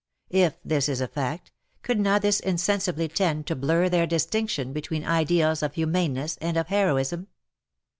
If this is a fact, would not this in sensibly tend to blur their distinction between Ideals of humaneness and of heroism